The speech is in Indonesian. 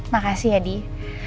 makasih ya dih